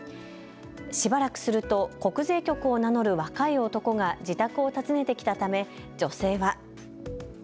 しばらくすると国税局を名乗る若い男が自宅を訪ねてきたため女性は。